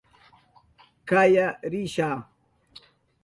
Kaya risha.